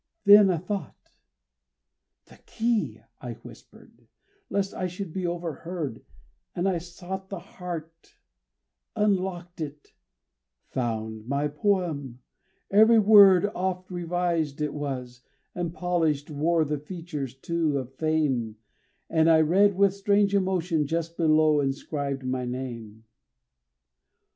Then a thought "The key," I whispered, lest I should be overheard, And I sought the heart, unlocked it; found my poem every word. Oft revised it was, and polished, wore the features, too, of Fame; And I read with strange emotion, just below inscribed my name.